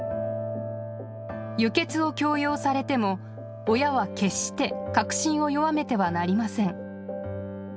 輸血を強要されても、親は決して確信を弱めてはなりません。